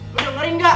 lu dengerin gak